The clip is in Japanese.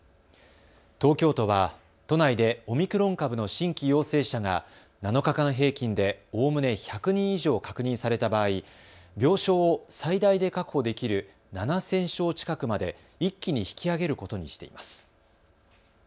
東京都は都内でオミクロン株の新規陽性者が７日間平均でおおむね１００人以上確認された場合、病床を最大で確保できる７０００床近くまで一気に引き上げることにしています。